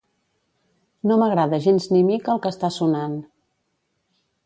No m'agrada gens ni mica el que està sonant.